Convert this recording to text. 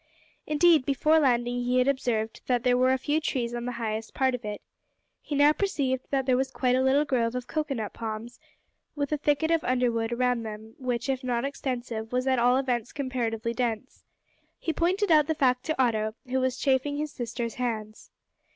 Indeed, before landing, he had observed that there were a few trees on the highest part of it. He now perceived that there was quite a little grove of cocoa nut palms, with a thicket of underwood around them, which, if not extensive, was at all events comparatively dense. He pointed out the fact to Otto, who was chafing his sister's hands.